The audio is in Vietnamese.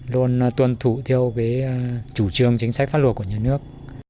luôn tuân thủ theo cái chủ trương chính sách phát luật của nhà nước